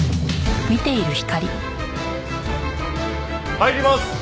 入ります！